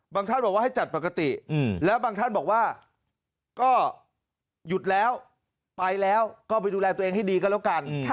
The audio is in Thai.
ท่านบอกว่าให้จัดปกติแล้วบางท่านบอกว่าก็หยุดแล้วไปแล้วก็ไปดูแลตัวเองให้ดีก็แล้วกัน